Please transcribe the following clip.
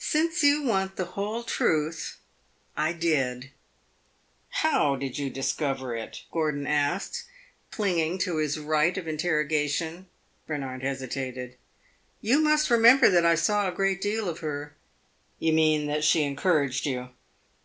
"Since you want the whole truth I did!" "How did you discover it?" Gordon asked, clinging to his right of interrogation. Bernard hesitated. "You must remember that I saw a great deal of her." "You mean that she encouraged you?"